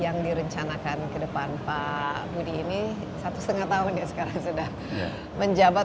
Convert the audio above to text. yang direncanakan ke depan pak budi ini satu setengah tahun ya sekarang sudah menjabat